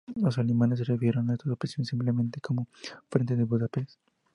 Los alemanes se refirieron a estas operaciones simplemente como "Frente de Budapest".